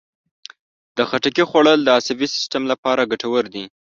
د خټکي خوړل د عصبي سیستم لپاره ګټور دي.